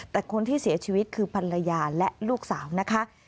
แต่คนที่เสียชีวิตคือภรรยาและลูกสาวนะคะ